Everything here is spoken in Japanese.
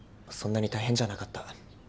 そんなに大変じゃなかった。